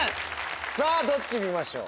さぁどっち見ましょう？